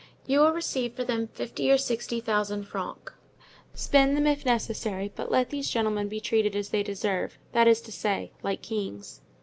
You will receive for them fifty or sixty thousand francs; spend them if necessary, but let these gentlemen be treated as they deserve, that is to say, like kings."